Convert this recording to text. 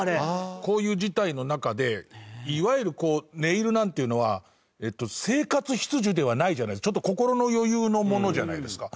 こういう事態の中でいわゆるネイルなんていうのは生活必需ではないじゃないちょっと心の余裕のものじゃないですか。